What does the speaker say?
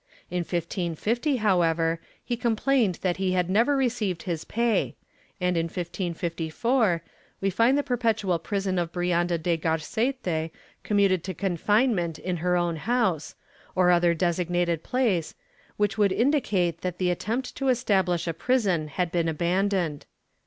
In 1550, however, he complained that he had never received his pay and, in 1554, we find the perpetual prison of Brianda de Garcete commuted to confinement in her own house, or other designated place, which would indicate that the attempt to establish a prison had been abandoned.